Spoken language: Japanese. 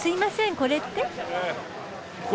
これって？